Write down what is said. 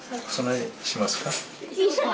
いいんですか？